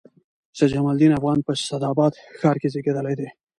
سید جمال الدین افغان په اسعداباد ښار کښي زېږېدلي دئ.